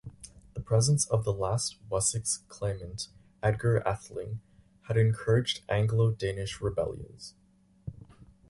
The presence of the last Wessex claimant, Edgar Atheling, had encouraged Anglo-Danish rebellions.